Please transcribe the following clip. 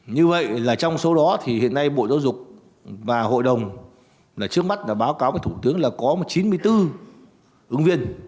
như vậy là trong số đó thì hiện nay bộ giáo dục và hội đồng trước mắt báo cáo thủ tướng là có chín mươi bốn ứng viên